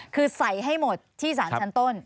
คือใส่ให้หมดที่สารชั้นต้น